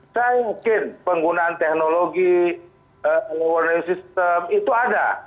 saya yakin penggunaan teknologi elewarning system itu ada